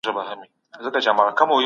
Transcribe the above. د حکومت پروګرامونه به ناکامه نسي.